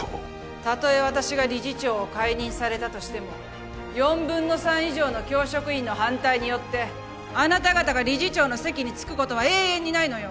たとえ私が理事長を解任されたとしても４分の３以上の教職員の反対によってあなた方が理事長の席に着くことは永遠にないのよ